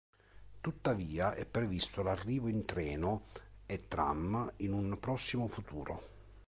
Tuttavia, è previsto l'arrivo in treno e tram in un prossimo futuro.